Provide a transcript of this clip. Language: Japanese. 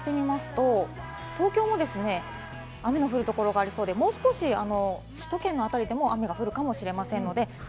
夕方にかけて関東を拡大してみますと、東京も雨の降る所がありそうで、もう少し首都圏のあたりでも雨が降るかもしれません。